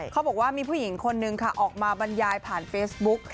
เขาบอกว่ามีผู้หญิงคนนึงค่ะออกมาบรรยายผ่านเฟซบุ๊ก